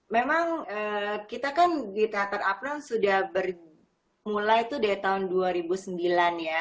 memang kita kan di teater apno sudah mulai tuh dari tahun dua ribu sembilan ya